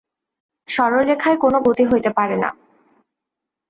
সরলরেখায় কোন গতি হইতে পারে না।